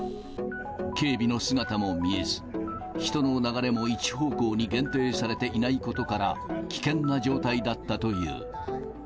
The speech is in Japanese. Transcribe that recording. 警備の姿も見えず、人の流れも一方向に限定されていないことから、危険な状態だったという。